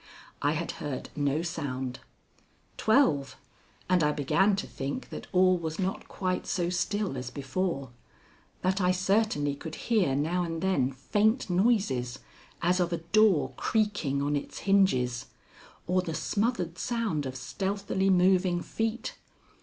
I had heard no sound. Twelve, and I began to think that all was not quite so still as before; that I certainly could hear now and then faint noises as of a door creaking on its hinges, or the smothered sound of stealthily moving feet.